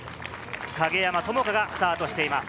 陰山朋佳がスタートしています。